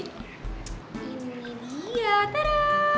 ini dia tadaaa